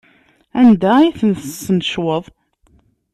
Anda ay ten-tesnecweḍ?